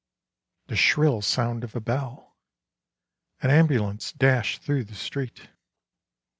The shrill sound of a bell ! An ambulance dashed through the street.